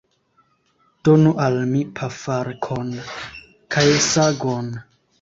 Donu al mi pafarkon kaj sagon.